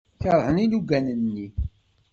Keṛhen ilugan-nni.